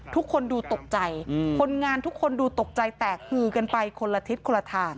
ทุกคนดูตกใจคนงานทุกคนดูตกใจแตกหือกันไปคนละทิศคนละทาง